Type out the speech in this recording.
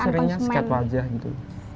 seringnya sket wajah gitu